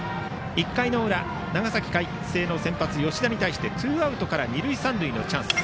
１回の裏、長崎・海星の先発吉田に対してツーアウトから二塁三塁のチャンス。